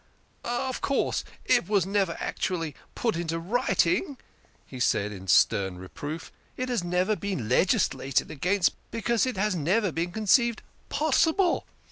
" Of course, it was never actually put into writing," he said in stern reproof. " It has never been legislated against, because it has never been conceived possible.